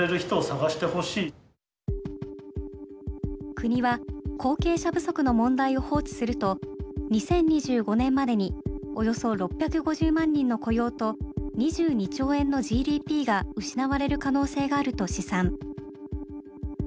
国は後継者不足の問題を放置すると２０２５年までにおよそ６５０万人の雇用と２２兆円のＧＤＰが失われる可能性があると試算。